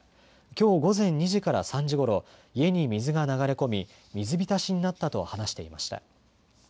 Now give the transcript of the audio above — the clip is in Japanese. きょう午前２時から３時ごろ、家に水が流れ込み水浸しになったと話していました。